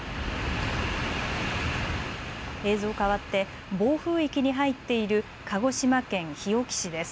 映像変わって暴風域に入っている鹿児島県日置市です。